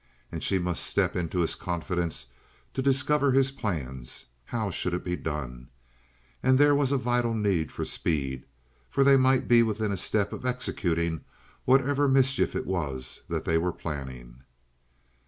And she must step into his confidence to discover his plans. How should it be done? And there was a vital need for speed, for they might be within a step of executing whatever mischief it was that they were planning.